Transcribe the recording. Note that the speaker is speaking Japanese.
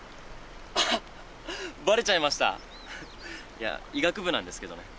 いや医学部なんですけどね